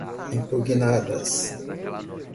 impugnadas